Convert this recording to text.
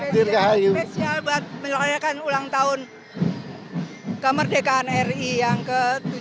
spesial buat menyelenggarakan ulang tahun kemerdekaan ri yang ke tujuh puluh tujuh